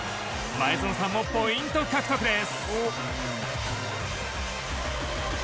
前園さんもポイント獲得です。